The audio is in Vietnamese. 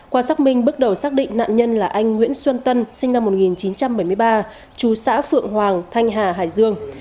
qua xác minh bước đầu xác định nạn nhân là anh nguyễn xuân tân sinh năm một nghìn chín trăm bảy mươi ba chú xã phượng hoàng thanh hà hải dương